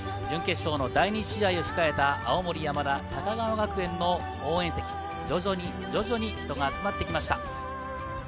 準決勝の第２試合を控えた青森山田、高川学園の応援席、徐々に人が集まってきました。